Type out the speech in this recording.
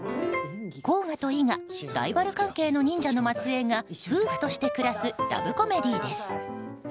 甲賀と伊賀、ライバル関係の忍者の末裔が夫婦として暮らすラブコメディーです。